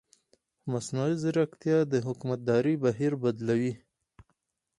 مصنوعي ځیرکتیا د حکومتدارۍ بهیر بدلوي.